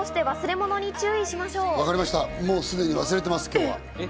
もうすでに忘れてます、今日は。